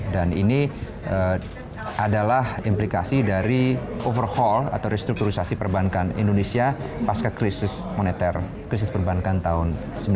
dan ini adalah implikasi dari overhaul atau restrukturisasi perbankan indonesia pas ke krisis moneter krisis perbankan tahun seribu sembilan ratus sembilan puluh delapan